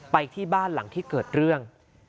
ไปที่บ้านหลังที่เกิดเรื่อง